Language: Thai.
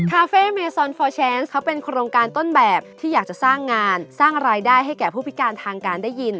คาเฟ่เมซอนฟอร์แนนซ์เขาเป็นโครงการต้นแบบที่อยากจะสร้างงานสร้างรายได้ให้แก่ผู้พิการทางการได้ยิน